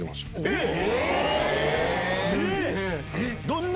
えっ！